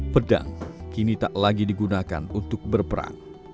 pedang kini tak lagi digunakan untuk berperang